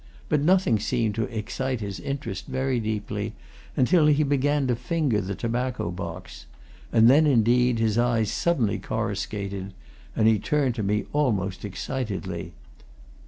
But nothing seemed to excite his interest very deeply until he began to finger the tobacco box; then, indeed, his eyes suddenly coruscated, and he turned to me almost excitedly.